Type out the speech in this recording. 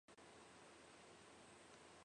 从此吴越矛盾日趋尖锐。